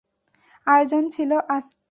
আয়োজন ছিলো আজকে।